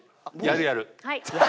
やるやる。